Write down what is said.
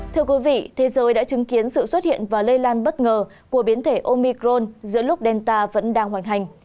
thưa quý vị thế giới đã chứng kiến sự xuất hiện và lây lan bất ngờ của biến thể omicron giữa lúc delta vẫn đang hoành hành